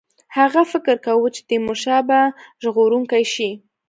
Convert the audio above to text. هغه فکر کاوه چې تیمورشاه به ژغورونکی شي.